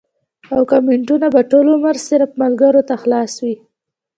او کمنټونه به ټول عمر صرف ملکرو ته خلاص وي